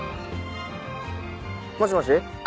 もしもし？